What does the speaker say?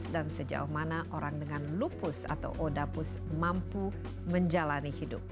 dan sejauh mana orang dengan lupus atau odapus mampu menjalani hidup